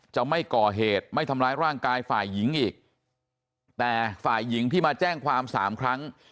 จะไม่ก่อเหตุไม่ทำร้ายร่างกายฝ่ายหญิงอีกแต่ฝ่ายหญิงที่มาแจ้งความสามครั้ง